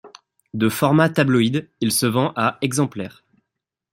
De format tabloïd, il se vend à exemplaires.